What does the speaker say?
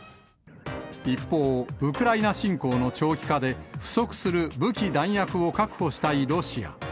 一方、ウクライナ侵攻の長期化で、不足する武器弾薬を確保したいロシア。